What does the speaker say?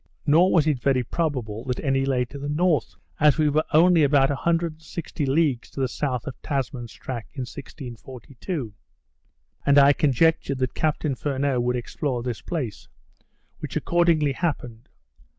Nor was it very probable that any lay to the north; as we were only about 160 leagues to the south of Tasman's track in 1642; and I conjectured that Captain Furneaux would explore this place; which accordingly happened.